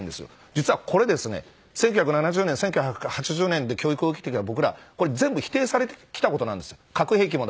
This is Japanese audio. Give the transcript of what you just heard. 実はこれ１９７０年１９８０年で教育を受けてきた僕ら全部否定されてきたことです。